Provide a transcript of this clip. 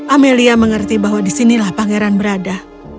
amelia mengerti bahwa disinilah pangeran berada